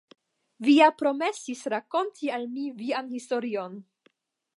Vi ja promesis rakonti al mi vian historion.